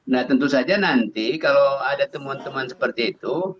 nah tentu saja nanti kalau ada temuan temuan seperti itu